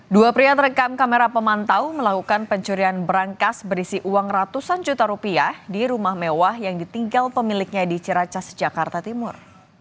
dua pria terekam kamera pemantau melakukan pencurian berangkas berisi uang ratusan juta rupiah di rumah mewah yang ditinggal pemiliknya di ciracas jakarta timur